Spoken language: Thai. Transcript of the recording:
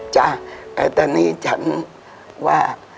จ้ะแต่ตอนนี้ฉันว่า